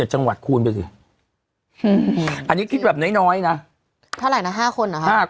๗๗จังหวัดคูณไปกันอันนี้คิดแบบน้อยน้อยนะเท่าไหร่นะ๕คนหรอ